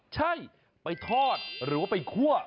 ใช่ไปทอดหรือว่าไปคั่ว